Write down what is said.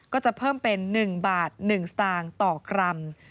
ก็จะเพิ่มเป็น๑บาท๑สตางค์ต่อกรัม